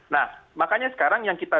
nah makanya sekarang yang kita